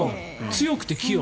強くて器用。